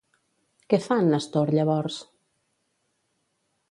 Què fa en Nestor llavors?